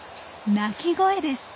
鳴き声です。